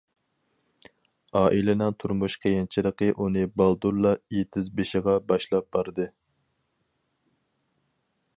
ئائىلىنىڭ تۇرمۇش قىيىنچىلىقى ئۇنى بالدۇرلا ئېتىز بېشىغا باشلاپ باردى.